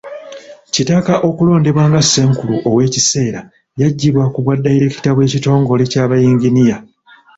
Kitaka okulondebwa nga Ssenkulu ow'ekiseera yaggyibwa ku bwadayirekita bw'ekitongole ky'abayinginiya.